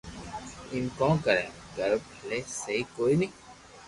ايم ڪون ڪري ڪر ڀلي سھي ڪوئي ني